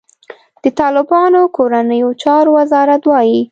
د طالبانو کورنیو چارو وزارت وايي،